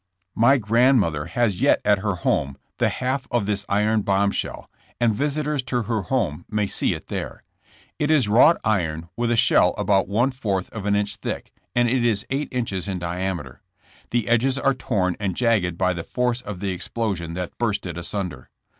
'' My grandmother has yet. at her home the half of this iron bomb shell, and visitors to her home may see it there. It is wrought iron with a shell about one fourth of an inch thick, and it is eight inches in diameter. The edges are torn and jagged by the force of the explosion that burst it asunder.